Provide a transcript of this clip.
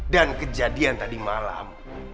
dan kejadian tadi malam